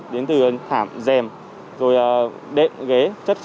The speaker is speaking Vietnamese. đến từ thảm dèm đệm ghế